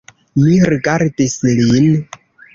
Mi rigardis lin.